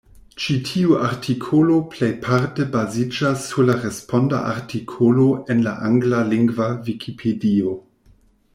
Ĉi tiu artikolo plejparte baziĝas sur la responda artikolo en la anglalingva Vikipedio.